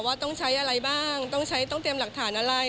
ว่าต้องใช้อะไรบ้างต้องใช้ต้องเตรียมหลักฐานอะไร